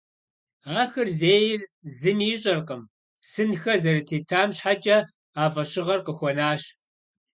Ахэр зейр зыми ищӏэркъым, сынхэр зэрытетам щхьэкӏэ а фӏэщыгъэр къыхуэнащ.